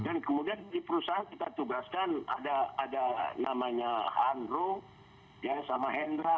dan kemudian di perusahaan kita tugaskan ada namanya hanro ya sama hendra